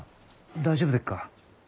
大丈夫でっか？